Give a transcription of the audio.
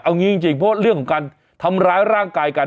เอางี้จริงเพราะเรื่องของการทำร้ายร่างกายกัน